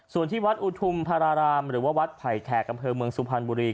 ส่วนที่วัดอุทุมพารารามหรือว่าวัดไผ่แขกอำเภอเมืองสุพรรณบุรี